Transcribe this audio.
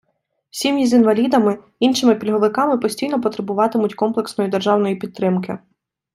Сім’ї з інвалідами, іншими пільговиками постійно потребуватимуть комплексної державної підтримки.